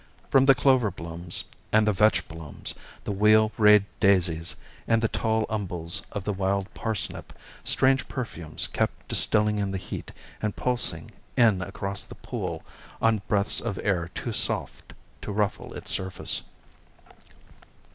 From the clover blooms and the vetch blooms, the wheel rayed daisies, and the tall umbels of the wild parsnip, strange perfumes kept distilling in the heat and pulsing in across the pool on breaths of air too soft to ruffle its surface.